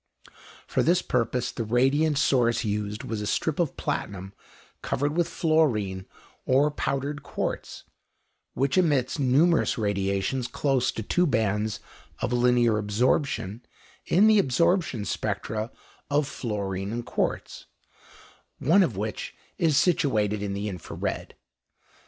For this purpose the radiant source used was a strip of platinum covered with fluorine or powdered quartz, which emits numerous radiations close to two bands of linear absorption in the absorption spectra of fluorine and quartz, one of which is situated in the infra red.